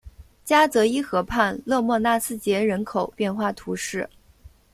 加泽伊河畔勒莫纳斯捷人口变化图示